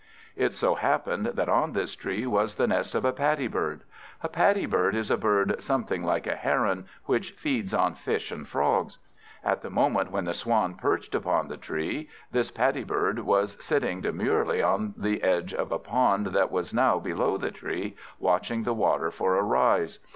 It so happened that on this tree was the nest of a Paddy bird. A Paddy bird is a bird something like a heron, which feeds on fish and frogs. At the moment when the Swan perched upon the tree, this Paddy bird was sitting demurely on the edge of a pond that was below the tree, watching the water for a rise.